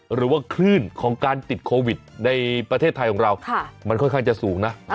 หรือว่าคลื่นของการติดโควิดในประเทศไทยของเรามันค่อนข้างจะสูงนะ